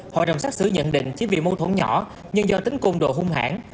hội đồng xác xứ nhận định chỉ vì mâu thủ nhỏ nhưng do tính côn độ hung hãng